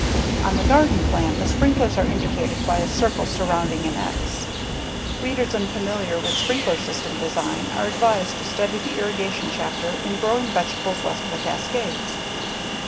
On the garden plan, the sprinklers are indicated by a circle surrounding an "X." Readers unfamiliar with sprinkler system design are advised to study the irrigation chapter in Growing Vegetables West of the Cascades.